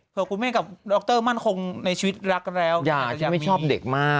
เผื่อคุณเม่กับดรมั่นคงในชีวิตรักกันแล้ว